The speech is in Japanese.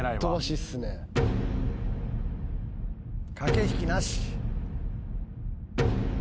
駆け引きなし。